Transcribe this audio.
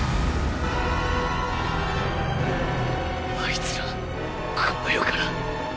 あいつらこの世から。